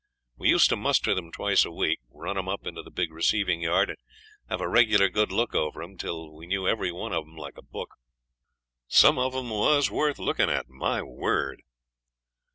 We used to muster them twice a week, run 'em up into the big receiving yard, and have a regular good look over 'em till we knew every one of 'em like a book. Some of 'em was worth looking at, my word!